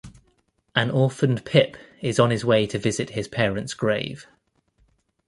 An orphaned Pip is on his way to visit his parents' grave.